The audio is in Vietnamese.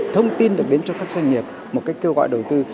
thông tin được đến cho các doanh nghiệp một cách kêu gọi đầu tư